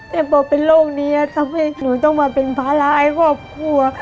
แต่พอเป็นโรคนี้ทำให้หนูต้องมาเป็นภาระให้ครอบครัวค่ะ